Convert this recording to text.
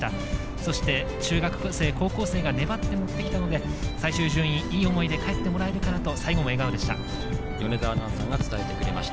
そして中学生、高校生が粘って持ってきたので最終順位、いい思いで帰ってもらえるかなと米澤アナウンサーでした。